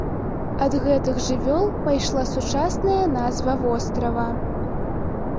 Ад гэтых жывёл пайшла сучасная назва вострава.